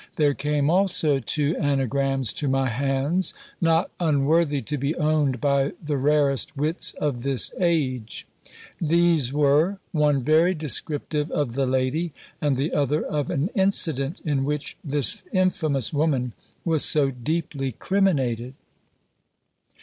There came also two anagrams to my hands, not unworthy to be owned by the rarest wits of this age.' These were, one very descriptive of the lady, and the other, of an incident in which this infamous woman was so deeply criminated.